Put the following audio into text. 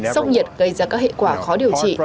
sốc nhiệt gây ra các hệ quả khó điều trị